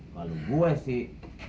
kalau gue sih